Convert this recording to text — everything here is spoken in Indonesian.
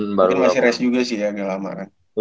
mungkin masih res juga sih ya di lamaran